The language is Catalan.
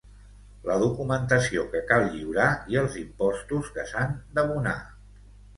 La documentació que cal lliurar i els impostos que s'han d'abonar.